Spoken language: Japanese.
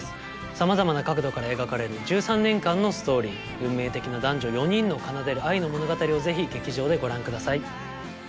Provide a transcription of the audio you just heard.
さまざまな角度から描かれる１３年間のストーリー運命的な男女４人の奏でる愛の物語をぜひ劇場でご覧ください